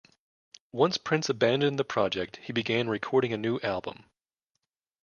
Once Prince abandoned the project, he began recording a new album.